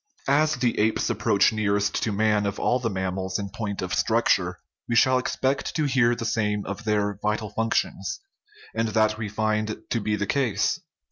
As the apes approach nearest to man of all the mam mals in point of structure, we shall expect to hear the same of their vital functions ; and that we find to be the case.